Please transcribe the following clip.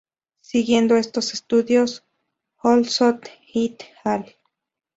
Siguiendo estos estudios, Ohlson et al.